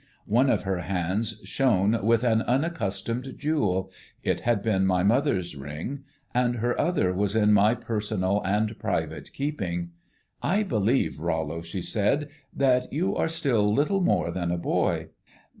One of her hands shone with an unaccustomed jewel it had been my mother's ring and her other was in my personal and private keeping. "I believe, Rollo," she said, "that you are still little more than a boy."